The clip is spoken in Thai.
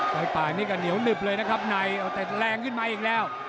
ไฟป่าอันนี้กะเหนียวนพเลยนะครับนายทำได้จะแรงขึ้นมาอีกแล้ว